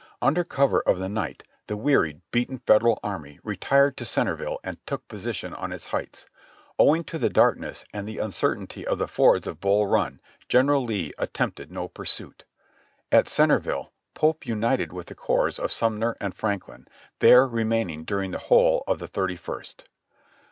Under cover of the night the wearied, beaten Federal army retired to Centerville and took position on its heights. Owing to the darkness and the uncertainty of the fords of Bull Run, General Lee attempted no pursuit. At Centerville Pope united with the corps of Sumner and Franklin, there remaining during the whole of the thirty first.